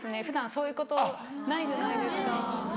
普段そういうことないじゃないですかはい。